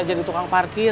jadi tukang parkir